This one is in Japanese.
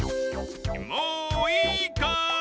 もういいかい？